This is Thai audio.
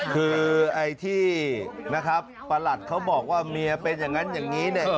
คือไอ้ที่นะครับประหลัดเขาบอกว่าเมียเป็นอย่างนั้นอย่างนี้เนี่ย